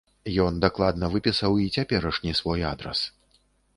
Ён дакладна выпісаў і цяперашні свой адрас.